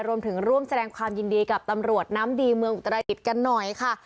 รวมถึงร่วมแสดงความยินดีกับตำรวจน้ำดีเมืองอุตรดิษฐ์กันหน่อยค่ะ